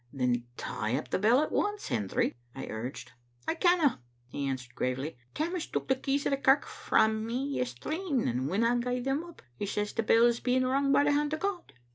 "Then tie up the bell at once, Hendry," I urged. " I canna," he answered gravely. " Tammas took the kejrs o' the kirk fram me yestreen, and winna gie them up. He says the bell's being rung by the hand o* God.